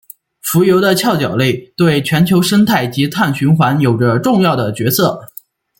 浮游的桡脚类对全球生态及碳循环有着重要的角色。